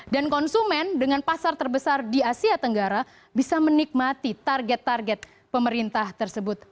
dan konsumen dengan pasar terbesar di asia tenggara bisa menikmati target target pemerintah tersebut